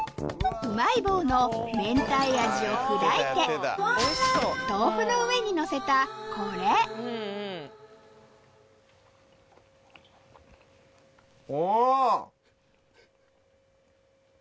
うまい棒のめんたい味を砕いて豆腐の上にのせたこれお！